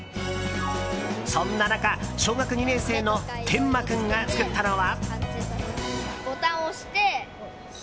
そんな中、小学２年生の天馬君が作ったのは。